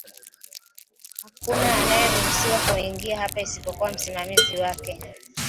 Hakuna anayeruhusiwa kuingia hapa isipokuwa msimamizi wake